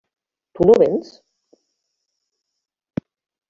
Tu no véns?